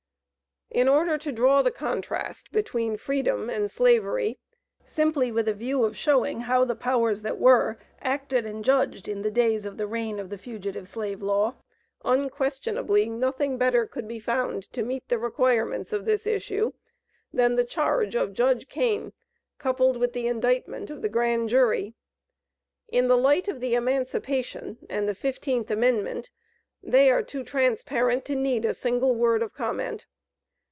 In order to draw the contrast between Freedom and Slavery, simply with a view of showing how the powers that were acted and judged in the days of the reign of the Fugitive Slave Law, unquestionably nothing better could be found to meet the requirements of this issue than the charge of Judge Kane, coupled with the indictment of the Grand Jury. In the light of the Emancipation and the Fifteenth Amendment, they are too transparent to need a single word of comment.